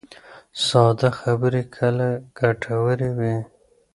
ساده خبرې کله ګټورې وي.